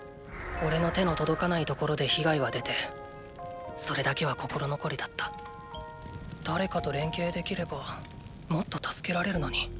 おれの手の届かない所で被害は出てそれだけは心残りだった誰かと連携できればもっと助けられるのに。